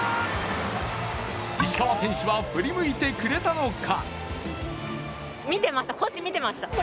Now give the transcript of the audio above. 石川選手は振り向いてくれたのか？